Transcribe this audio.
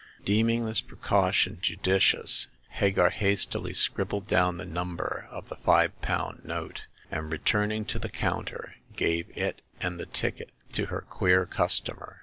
Deeming this precaution judicious, Hagar hastily scribbled down the number of the five pound note, and, returning to the counter, gave it and the ticket to her queer customer.